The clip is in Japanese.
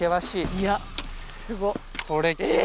いやすごっ！